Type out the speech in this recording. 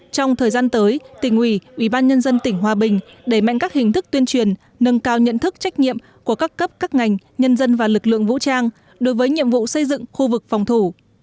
trong thời gian tới tỉnh ủy ủy ban nhân dân tỉnh hòa bình đẩy mạnh các hình thức tuyên truyền nâng cao nhận thức trách nhiệm của các cấp các ngành nhân dân và lực lượng vũ trang đối với nhiệm vụ xây dựng khu vực phòng thủ